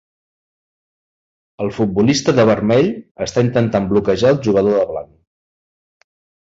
El futbolista de vermell està intentant bloquejar el jugador de blanc.